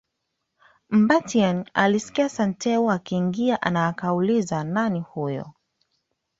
Mbatiany alisikia Santeu akiingia na akauliza nani huyo